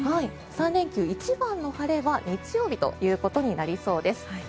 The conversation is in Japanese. ３連休、一番の晴れは日曜日ということになりそうです。